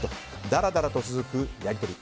だらだらと続くやり取り。